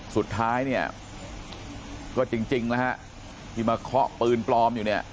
สุดท้ายเนี่ยก็จริงแล้วฮะที่มาเคาะปืนปลอมอยู่เนี่ย